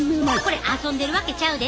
これ遊んでるわけちゃうで。